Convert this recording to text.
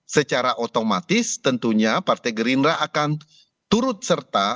secara otomatis tentunya partai gerindra akan turut serta